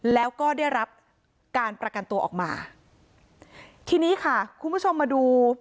แล้วก็ได้รับการประกันตัวออกมาทีนี้ค่ะคุณผู้ชมมาดู